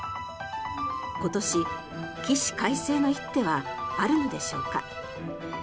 今年、起死回生の一手はあるのでしょうか。